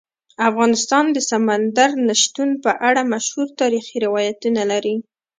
افغانستان د سمندر نه شتون په اړه مشهور تاریخی روایتونه لري.